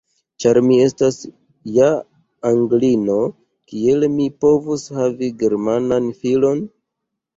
Ĉar mi estas ja Anglino, kiel mi povus havi Germanan filon?